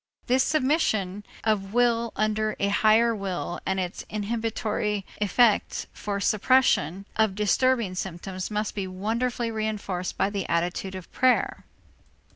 This submission of will under a higher will and its inhibitory effect for suppression of disturbing symptoms must be wonderfully reënforced by the attitude of prayer.